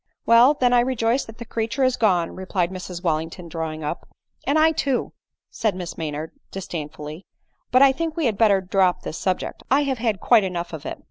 " Well, then I rejoice that the creature is gone," re plied Mrs Wellington, drawing up. " And I too," said Mtes Maynard disdainfully ;" but I think we had better drop this subject ; I have had quite enough of it."